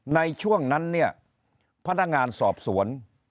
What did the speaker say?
ในช่วงนั้นเนี่ยพนักงานสอบสวน